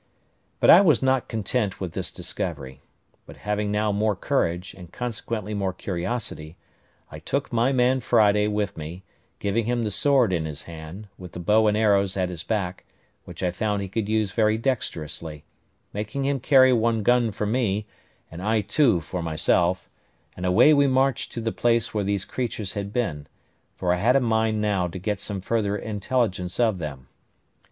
But I was not content with this discovery; but having now more courage, and consequently more curiosity, I took my man Friday with me, giving him the sword in his hand, with the bow and arrows at his back, which I found he could use very dexterously, making him carry one gun for me, and I two for myself; and away we marched to the place where these creatures had been; for I had a mind now to get some further intelligence of them.